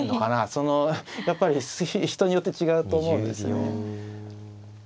そのやっぱり人によって違うと思うんですね。